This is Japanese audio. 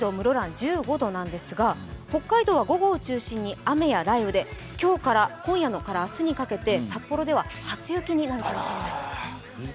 １５度なんですが北海道は午後を中心に雨や雷雨で今夜から明日にかけて札幌では初雪になるかもしれない。